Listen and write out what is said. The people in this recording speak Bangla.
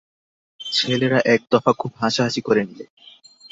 ছেলেরা একদফা খুব হাসাহাসি করে নিলে।